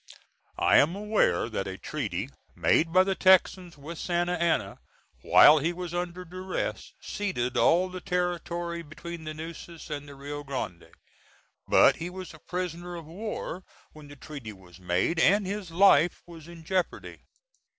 I am aware that a treaty, made by the Texans with Santa Anna while he was under duress, ceded all the territory between the Nueces and the Rio Grande , but he was a prisoner of war when the treaty was made, and his life was in jeopardy.